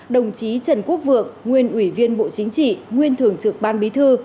đồng chí trần quốc vượng nguyên ủy viên bộ chính trị nguyên thường trực ban bí thư